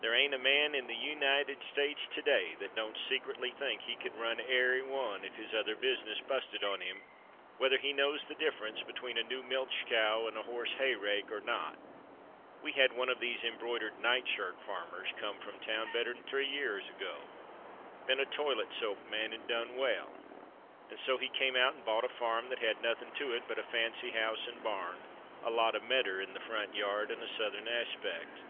There ain't a man in the United States to day that don't secretly think he could run airy one if his other business busted on him, whether he knows the difference between a new milch cow and a horse hayrake or not. We had one of these embroidered night shirt farmers come from town better'n three years ago. Been a toilet soap man and done well, and so he came out and bought a farm that had nothing to it but a fancy house and barn, a lot of medder in the front yard and a southern aspect.